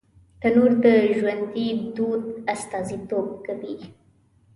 تنور د ژوندي دود استازیتوب کوي